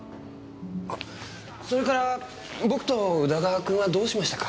あっそれから僕と宇田川君はどうしましたか？